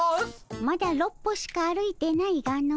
まだ６歩しか歩いてないがの。